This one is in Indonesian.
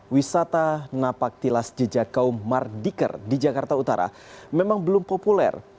wisata napak tilas jejak kaum mardiker di jakarta utara memang belum populer